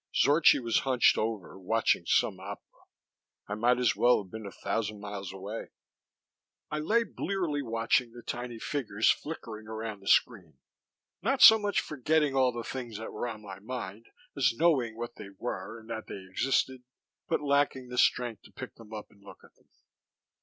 Zorchi was hunched over, watching some opera; I might as well have been a thousand miles away. I lay blearily watching the tiny figures flickering around the screen, not so much forgetting all the things that were on my mind as knowing what they were and that they existed, but lacking the strength to pick them up and look at them.